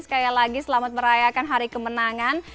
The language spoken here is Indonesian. sekali lagi selamat merayakan hari kemenangan